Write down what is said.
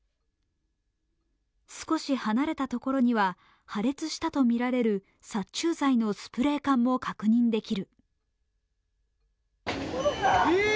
少し離れたところには破裂したとみられる殺虫剤のスプレー缶も確認できる。